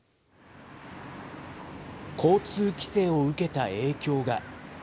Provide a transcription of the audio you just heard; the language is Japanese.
交通規制を受けた影響が。